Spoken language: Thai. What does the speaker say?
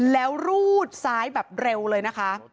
แล้วรูดซ้ายแบบเร็วเลยนะคะ